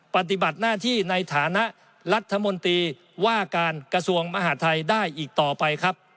ปฏิบัติหน้าที่ในฐานะรัฐมนตรีว่าการกระทรวงมหาทัยได้อีกต่อไปครับ